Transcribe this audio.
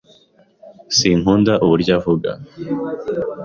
Sinkunda uburyo avuga.